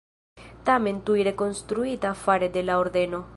Tamen tuj rekonstruita fare de la Ordeno.